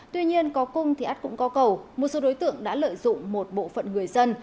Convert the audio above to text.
tuy nhiên có cung thì át cũng có cầu một số đối tượng đã lợi dụng một bộ phận người dân